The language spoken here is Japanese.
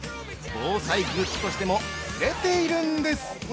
防災グッズとしても売れているんです！